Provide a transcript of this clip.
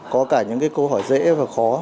có cả những cái câu hỏi dễ và khó